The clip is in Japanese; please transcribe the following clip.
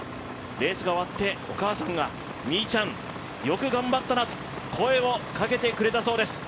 レースが終わって、お母さんが「みーちゃん、よく頑張ったな」と声をかけてくれたそうです。